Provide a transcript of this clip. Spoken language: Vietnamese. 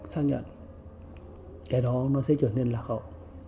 xác nhận cái đó nó sẽ trở nên lạc hậu